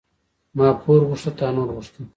ـ ما پور غوښته تا نور غوښته.